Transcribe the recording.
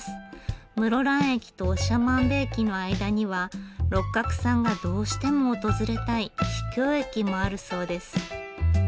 室蘭駅と長万部駅の間には六角さんがどうしても訪れたい秘境駅もあるそうです。